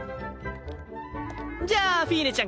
じゃあフィーネちゃん